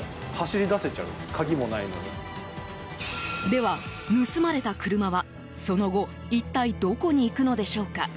では盗まれた車は、その後一体どこに行くのでしょうか？